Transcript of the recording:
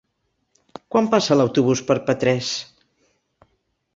Quan passa l'autobús per Petrés?